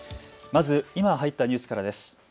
まず今、入ったニュースからです。